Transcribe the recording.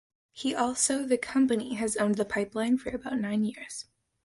He also the company has owned the pipeline for about nine years.